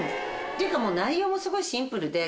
っていうかもう内容もすごいシンプルで。